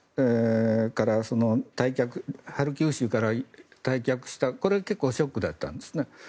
ハルキウ州から退却したこれ結構ショックだったんですね。